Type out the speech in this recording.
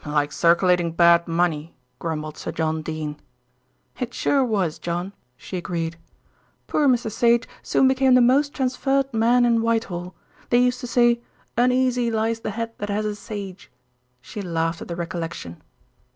"Like circulating bad money," grumbled Sir John Dene. "It sure was, John," she agreed. "Poor Mr. Sage soon became the most transferred man in Whitehall. They used to say, 'Uneasy lies the head that has a Sage.'" She laughed at the recollection.